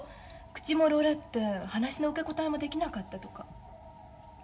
口もロレって話の受け答えもできなかったとか。